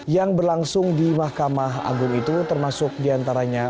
yang berlangsung di mahkamah agung itu termasuk diantaranya